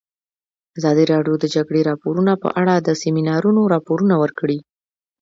ازادي راډیو د د جګړې راپورونه په اړه د سیمینارونو راپورونه ورکړي.